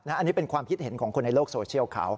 อันนี้เป็นความคิดเห็นของคนในโลกโซเชียลเขา